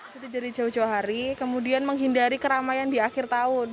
kita dari jawa jawa hari kemudian menghindari keramaian di akhir tahun